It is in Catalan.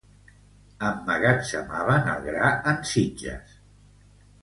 Emmagatzemaven el gra en sitges.